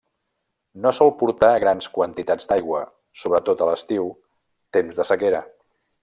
No sol portar grans quantitats d'aigua, sobretot a l'estiu, temps de sequera.